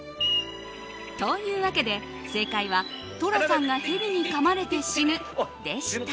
というわけで正解は、寅さんがヘビにかまれて死ぬでした。